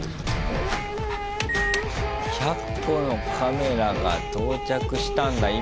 １００個のカメラが到着したんだ今。